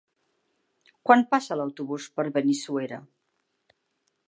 Quan passa l'autobús per Benissuera?